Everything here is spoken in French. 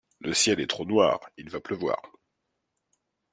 Le ciel est trop noir, il va pleuvoir.